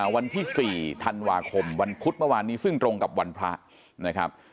วันที่๔ธันวาคมวันพุธเมื่อวานนี้ซึ่งตรงกับวันพระนะครับ